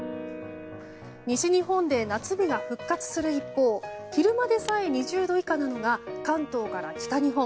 西日本で夏日が復活する一方昼間でさえ２０度以下なのが関東から北日本。